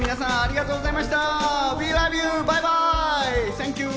センキュー！